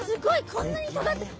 こんなにとがってる！